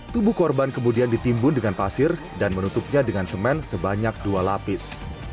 tubuh korban kemudian ditimbun dengan pasir dan menutupnya dengan semen sebanyak dua lapis